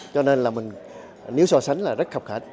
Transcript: cho nên là mình nếu so sánh là rất khập hạch